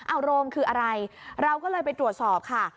เอาโรงคืออะไรเราก็เลยไปตรวจสอบค่ะ